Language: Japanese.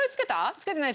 つけてない。